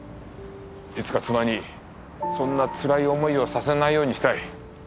いつか妻にそんなつらい思いをさせないようにしたい。